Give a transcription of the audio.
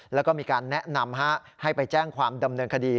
แล้วก็มีการแนะนำให้ไปแจ้งความดำเนินคดี